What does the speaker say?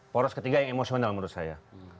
poros ketiga yang emosional menurut saya